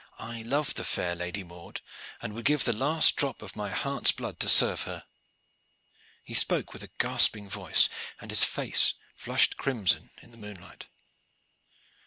I love the fair Lady Maude, and would give the last drop of my heart's blood to serve her." He spoke with a gasping voice, and his face flushed crimson in the moonlight.